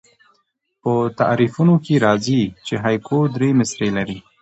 په تعریفونو کښي راځي، چي هایکو درې مصرۍ لري.